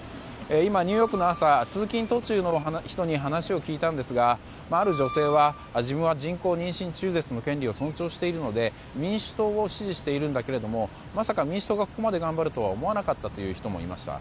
今ニューヨークの朝通勤途中の人に話を聞いたんですがある女性は自分は人工妊娠中絶の権利を尊重しているので民主党を支持しているがまさか民主党がここまで頑張るとは思わなかったという人もいました。